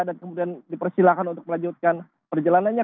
dan kemudian dipersilakan untuk melanjutkan perjalanannya